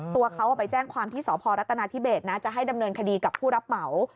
ตัวเขาไปแจ้งความที่สพรัฐนาธิเบสนะจะให้ดำเนินคดีกับผู้รับเหมา